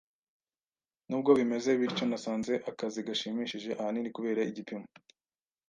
Nubwo bimeze bityo, nasanze akazi gashimishije, ahanini kubera igipimo